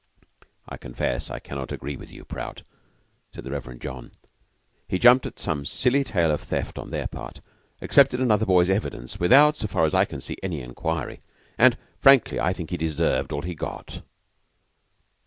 "I confess I cannot agree with you, Prout," said the Reverend John. "He jumped at some silly tale of theft on their part; accepted another boy's evidence without, so far as I can see, any inquiry; and frankly, I think he deserved all he got."